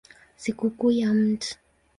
Sikukuu ya Mt.